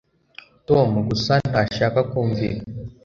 tom gusa ntashaka kumva ibi